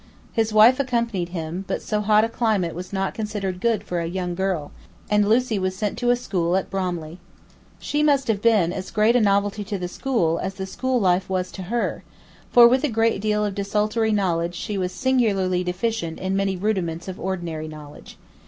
His wife accompanied him, but so hot a climate was not considered good for a young girl, and Lucie was sent to a school at Bromley. She must have been as great a novelty to the school as the school life was to her, for with a great deal of desultory knowledge she was singularly deficient in many rudiments of ordinary knowledge.